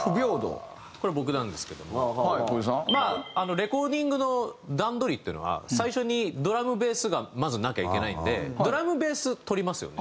レコーディングの段取りっていうのは最初にドラムベースがまずなきゃいけないんでドラムベースとりますよね。